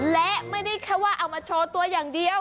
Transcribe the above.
และไม่ได้แค่ว่าเอามาโชว์ตัวอย่างเดียว